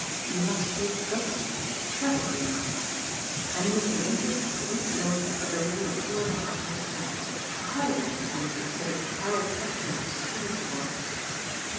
He must take double, treble the amount. And he would pay interest for a week's loan at the rate 362 GOD'S FOOL. of four and a half per cent., a high rate, when yon consid ered how exceptional the security was.